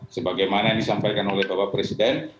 sebagaimana yang disampaikan oleh bapak presiden